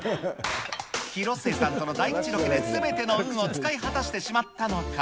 広末さんとの大吉ロケですべての運を使い果たしてしまったのか。